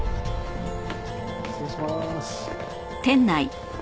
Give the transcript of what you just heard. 失礼しまーす。